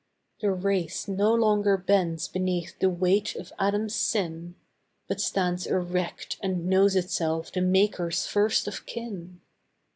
The race no longer bends beneath the weight of Adam's sin, But stands erect and knows itself the Maker's first of kin.